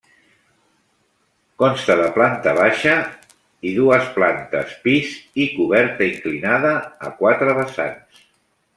Consta de planta baixa i dues plantes pis i coberta inclinada a quatre vessants.